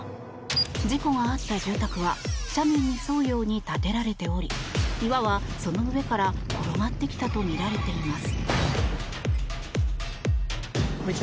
事故があった住宅は斜面に沿うように建てられており岩はその上から転がってきたとみられています。